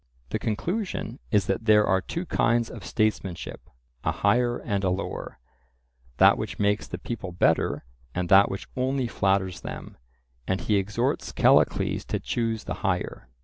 The conclusion is that there are two kinds of statesmanship, a higher and a lower—that which makes the people better, and that which only flatters them, and he exhorts Callicles to choose the higher.